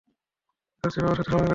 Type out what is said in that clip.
তার চেয়ে বাবার সাথে সময় কাটাও।